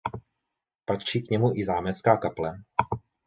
Patří k němu i zámecká kaple.